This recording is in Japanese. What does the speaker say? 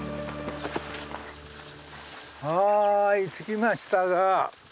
はい着きましたが。